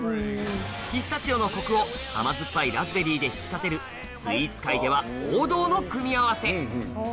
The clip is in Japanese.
ピスタチオのコクを甘酸っぱいラズベリーで引き立てるの組み合わせ